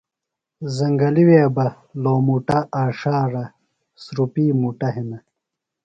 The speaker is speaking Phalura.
زنگلیۡ وے بہ لومُٹہ آچھارہ سُرُپی مُٹہ ہِنہ۔